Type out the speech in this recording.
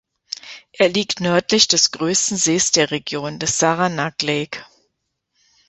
Er liegt nördlich des größten Sees der Region, des Saranac Lake.